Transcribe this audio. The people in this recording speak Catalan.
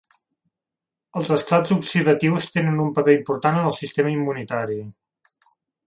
Els esclats oxidatius tenen un paper important en el sistema immunitari.